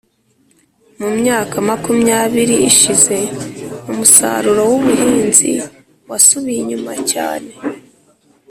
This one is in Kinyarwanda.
mu myaka makumyabiri ishize, umusaruro w'ubuhinzi wasubiye inyuma cyane